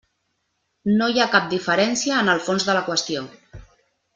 No hi ha cap diferència en el fons de la qüestió.